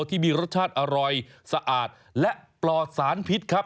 ที่มีรสชาติอร่อยสะอาดและปลอดสารพิษครับ